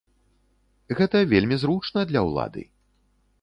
Гэта вельмі зручна для ўлады.